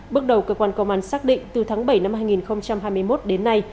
bước đầu cơ quan công an xác định từ tháng bảy năm hai nghìn hai mươi một đến nay